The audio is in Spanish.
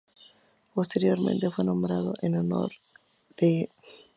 Posteriormente fue nombrado en honor de Kathryn Gail Thomas-Hazelton, hija del descubridor.